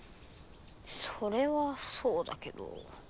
それはそうだけど。